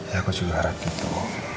ya aku juga harap gitu